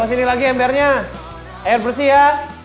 sini lagi embernya air bersih ya